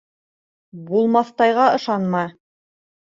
Булмаҫтайға ышанма.